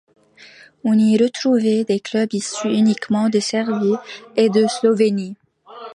On y retrouvait des clubs issus uniquement de Serbie et de Slovénie.